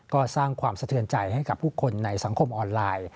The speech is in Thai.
ก็สร้างความสะเทือนใจให้กับผู้คนในสังคมออนไลน์